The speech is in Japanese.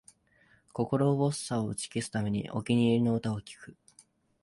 心細さを打ち消すため、お気に入りの歌を聴く